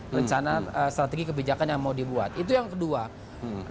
rencana strategi kebijakan yang mau mereka lakukan